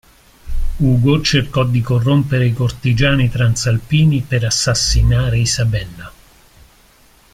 Ugo cercò di corrompere i cortigiani transalpini per assassinare Isabella.